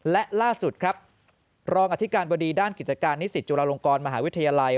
และล่าสุดครับรองอธิการบดีด้านกิจการนิสิตจุฬาลงกรมหาวิทยาลัย